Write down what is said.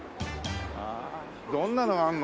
どんなのがあるの？